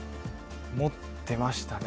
持ってましたね。